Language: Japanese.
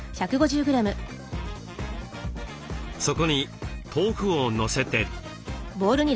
そこに豆腐をのせて。